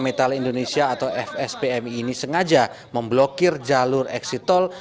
metal indonesia atau fspmi ini sengaja memblokir jalur eksit tol